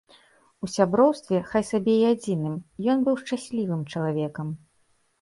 У сяброўстве, хай сабе і адзіным, ён быў шчаслівым чалавекам.